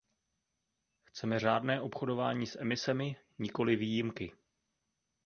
Chceme řádné obchodování s emisemi, nikoli výjimky.